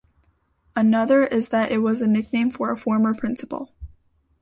Another is that it was a nickname for a former principal.